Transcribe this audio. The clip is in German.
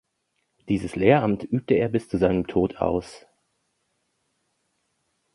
Dieses Lehramt übte er bis zu seinem Tod aus.